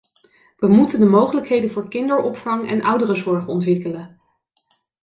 Wij moeten de mogelijkheden voor kinderopvang en ouderenzorg ontwikkelen.